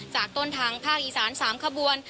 จากต้นทางภาคอีสาน๓ขบวน